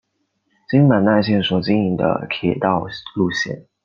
京阪奈线所经营的铁道路线。